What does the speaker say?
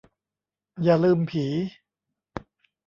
อย่าลืมผี